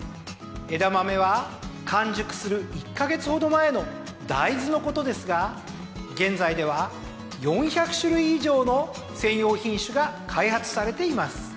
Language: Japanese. エダマメは完熟する１カ月ほど前の大豆のことですが現在では４００種類以上の専用品種が開発されています。